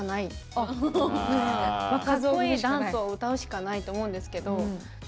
かっこいいダンスを踊るしかないと思うんですけど。